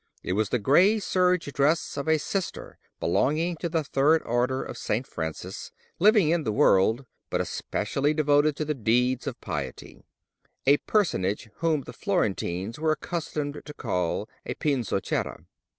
It was the grey serge dress of a sister belonging to the third order of Saint Francis, living in the world but especially devoted to deeds of piety—a personage whom the Florentines were accustomed to call a Pinzochera.